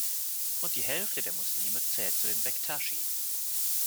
Rund die Hälfte der Muslime zählt zu den Bektaschi.